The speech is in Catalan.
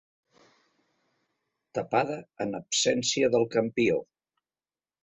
Tapada en absència del campió.